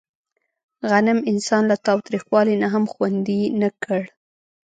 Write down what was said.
غنم انسان له تاوتریخوالي نه هم خوندي نه کړ.